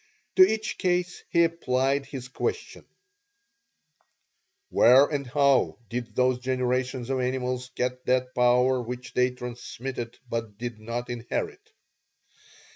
To each case he applies his question: "Where and how did those generations of animals get that power which they transmitted but did not inherit?"